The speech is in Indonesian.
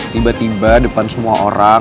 tiba tiba depan semua orang